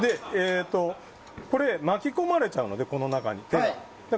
巻き込まれちゃうのでこの中に、手が。